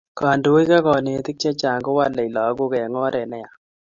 kandoik ak kanetik chechang kowalei lakok eng oret neyaa